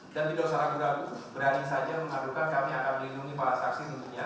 dan tidak usah ragu ragu berani saja mengadukan kami akan melindungi para saksi sebutnya